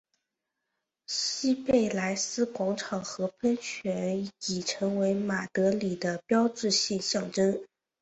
西贝莱斯广场和喷泉已成为马德里的标志性象征。